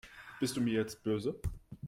Bist du mir jetzt böse?